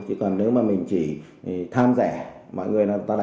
chỉ cần nếu mình chỉ tham rẻ